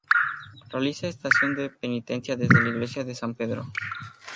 Realiza estación de penitencia desde la Iglesia de San Pedro.